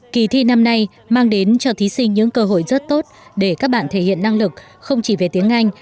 kỳ thi năm nay mang đến cho thí sinh những cơ hội rất tốt để các bạn thể hiện năng lực không chỉ về tiếng anh